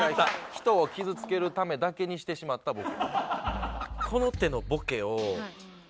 人を傷つけるためだけにしてしまったボケ。